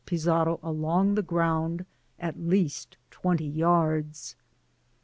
Fizarro along the groimd at least twenty yards.